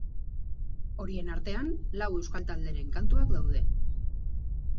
Horien arten, lau euskal talderen kantuak daude.